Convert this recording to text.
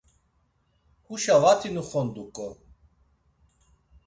Huşa vati nuxonduǩo.